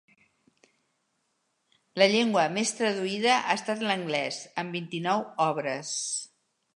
La llengua més traduïda ha estat l'anglès, amb vint-i-nou obres.